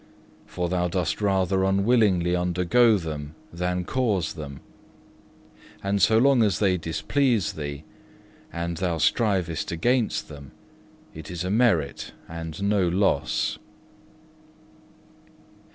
For thou dost rather unwillingly undergo them than cause them; and so long as they displease thee and thou strivest against them, it is a merit and no loss.